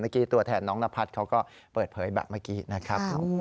เมื่อกี้ตัวแทนน้องนภัทรเขาก็เปิดเผยแบบเมื่อกี้นะครับ